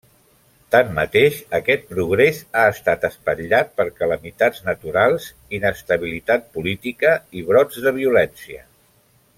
Tanmateix, aquest progrés ha estat espatllat per calamitats naturals, inestabilitat política i brots de violència.